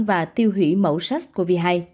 và tiêu hủy mẫu sars cov hai